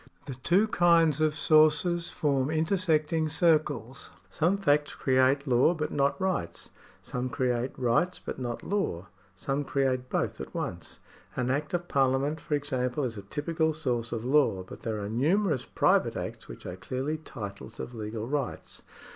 The two kinds of sources form intersecting circles. Some facts create law but not rights ; some create rights but not law ; some create both at once. An act of Parliament for example is a typical source of law ; but there are numerous private acts which are clearly titles of legal rights.